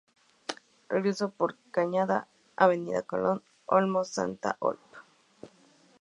Regreso: Por Cañada, Avenida Colón, Olmos, Salta, Ob.